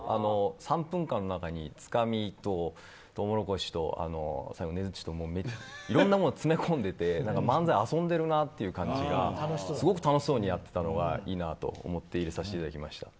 ３分間の中につかみとトウモロコシとねづっちといろんなものを詰め込んでいて漫才、遊んでいるなって感じがすごく楽しそうにやっていたのがいいなと思って入れさせていただきました。